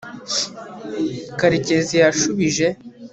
karekezi yashubije